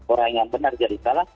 orang yang benar jadi salah